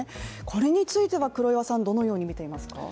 これについて黒岩さんはどう見ていますか。